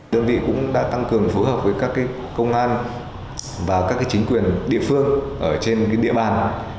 đơn vị cũng đã tăng cường phối hợp với các công an và các chính quyền địa phương ở trên địa bàn